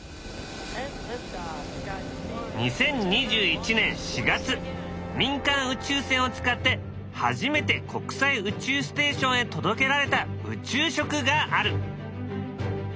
２０２１年４月民間宇宙船を使って初めて国際宇宙ステーションへ届けられた宇宙食がある。